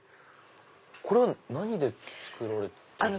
これは何で作られてるんですか？